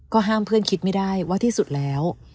ห้ามเพื่อนคิดไม่ได้ว่าที่สุดแล้ว